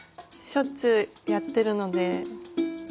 しょっちゅうやってるので。